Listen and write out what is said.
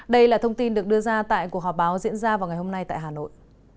đây là thông tin được đưa ra tại cuộc họp báo diễn ra vào ngày hôm nay tại hà nội